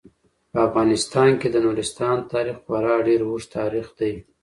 په افغانستان کې د نورستان تاریخ خورا ډیر اوږد تاریخ دی.